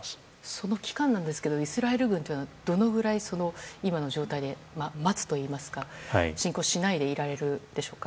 その期間ですがイスラエル軍はどのくらい、今の状態で待つといいますか、侵攻しないでいられるんでしょうか。